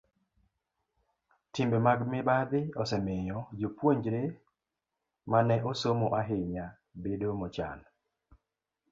Timbe mag mibadhi osemiyo jopuonjre ma ne osomo ahinya bedo jochan.